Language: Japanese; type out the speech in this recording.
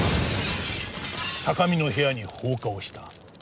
高見の部屋に放火をした。